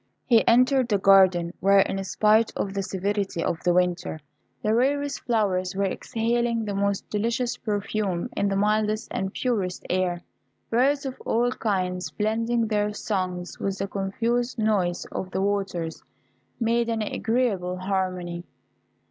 He entered the garden, where, in spite of the severity of the winter, the rarest flowers were exhaling the most delicious perfume in the mildest and purest air. Birds of all kinds blending their songs with the confused noise of the waters, made an agreeable harmony.